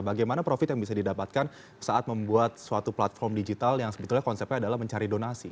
bagaimana profit yang bisa didapatkan saat membuat suatu platform digital yang sebetulnya konsepnya adalah mencari donasi